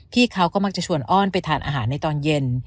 เขาก็มักจะชวนอ้อนไปทานอาหารในตอนเย็น